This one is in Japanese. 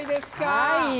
はい。